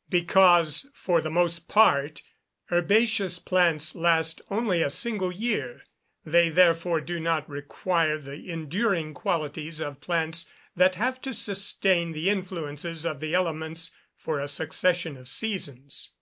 _ Because, for the most part, herbaceous plants last only a single year; they, therefore, do not require the enduring qualities of plants that have to sustain the influences of the elements for a succession of seasons.